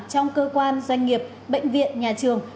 trong cơ quan doanh nghiệp bệnh viện nhà trường